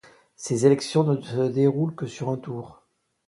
Ces élections ne se déroulent que sur un tour.